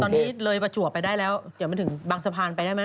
ตอนนี้เลยประจวบไปได้แล้วเดี๋ยวมันถึงบางสะพานไปได้ไหม